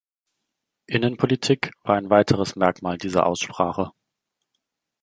Innenpolitik war ein weiteres Merkmal dieser Aussprache.